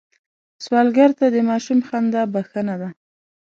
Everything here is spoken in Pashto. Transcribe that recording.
سوالګر ته د ماشوم خندا بښنه ده